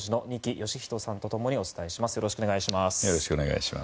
よろしくお願いします。